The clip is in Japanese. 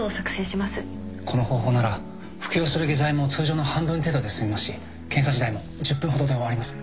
この方法なら服用する下剤も通常の半分程度で済みますし検査自体も１０分ほどで終わります。